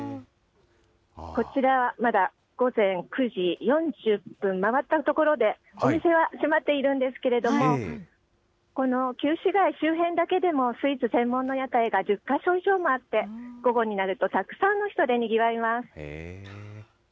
こちらまだ、午前９時４０分回ったところで、お店は閉まっているんですけれども、この旧市街周辺だけでも、スイーツ専門の屋台が１０か所以上もあって、午後になると、たくさんの人でにぎわいます。